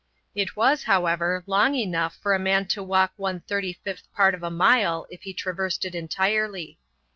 It was, however, long enough for a man to walk one thirty fifth part of a mile if he traversed it entirely.